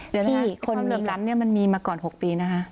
เดี๋ยวนะคะความเหลื่อมล้ำเนี่ยมันมีมาก่อน๖ปีนะคะ